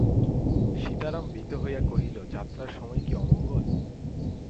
সীতারাম ভীত হইয়া কহিল, যাত্রার সময় কী অমঙ্গল।